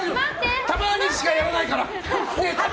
たまにしかやらないから！